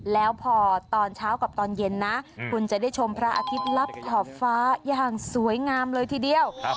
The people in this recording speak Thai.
แล้วพอตอนเช้ากับตอนเย็นนะคุณจะได้ชมพระอาทิตย์ลับขอบฟ้าอย่างสวยงามเลยทีเดียว